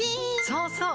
そうそう！